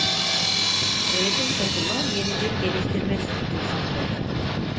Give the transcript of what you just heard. Yönetim takımı yeni bir geliştirme stüdyosu kuracak.